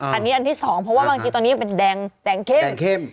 อันนี้อันที่สองเพราะว่าบางทีตอนนี้ยังเป็นแดงเข้มเข้ม